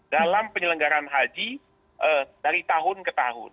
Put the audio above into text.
dalam penyelenggaran haji dari tahun ke tahun